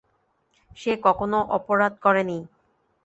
সে কখনো অপরাধ করেনি।